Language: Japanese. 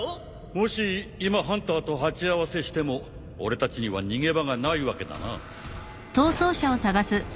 もし今ハンターと鉢合わせしても俺たちには逃げ場がないわけだな。